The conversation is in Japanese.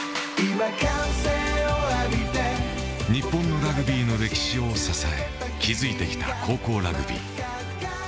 日本のラグビーの歴史を支え築いてきた高校ラグビー。